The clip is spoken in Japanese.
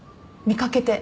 見掛けて。